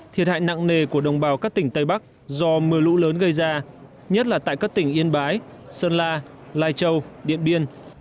thiệt hại nặng nề của đồng bào các tỉnh tây bắc do mưa lũ lớn gây ra nhất là tại các tỉnh yên bái sơn la lai châu điện biên